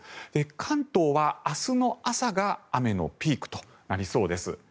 関東は明日の朝が雨のピークとなりそうです。